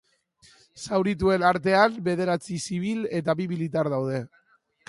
Zaurituen artean, bederatzi zibil eta bi militar daude.